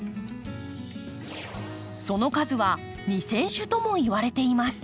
その数は２，０００種ともいわれています。